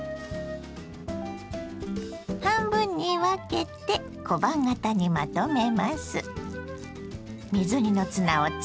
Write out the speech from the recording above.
半分に分けて小判形にまとめます。